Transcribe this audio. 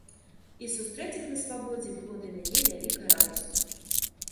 І сустрэць іх на свабодзе было для мяне вялікай радасцю.